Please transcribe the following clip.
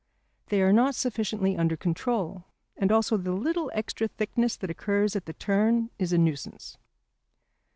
They are not sufficiently under control, and also the little extra thickness that occurs at the turn is a nuisance.